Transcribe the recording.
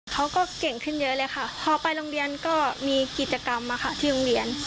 เขาก็เก่งขึ้นเยอะเลยค่ะพอไปโรงเรียนก็มีกิจกรรมมาค่ะที่โรงเรียน